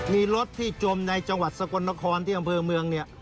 มีรถที่จมในจังหวัดสกลนครที่กำพื้นเมือง